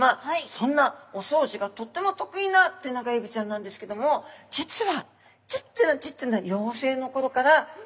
そんなお掃除がとっても得意なテナガエビちゃんなんですけども実はちっちゃなちっちゃな